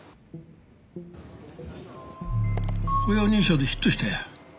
歩容認証でヒットしたよ。